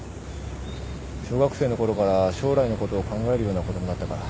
小学生のころから将来のことを考えるような子供だったから。